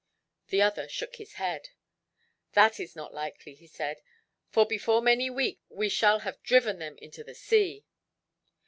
The other shook his head. "That is not likely," he said, "for before many weeks, we shall have driven them into the sea."